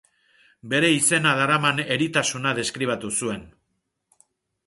Bere izena daraman eritasuna deskribatu zuen.